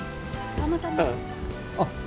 たまたま。